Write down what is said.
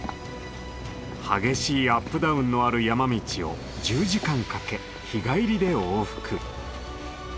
激しいアップダウンのある山道を１０時間かけ日帰りで往復。